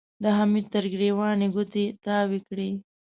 د حميد تر ګرېوان يې ګوتې تاوې کړې.